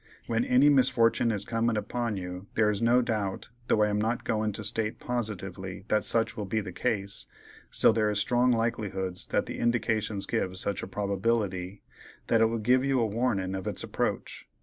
When any misfortin' is comin' upon you there is no doubt (though I am not goin' to state positively that such will be the case, still there is strong likelihoods that the indications give such a probability) that it will give you warnin' of its approach.